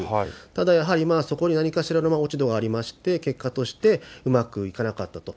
ただやはり、そこに何かしらの落ち度がありまして、結果として、うまくいかなかったと。